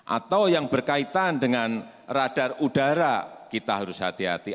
atau yang berkaitan dengan radar udara kita harus hati hati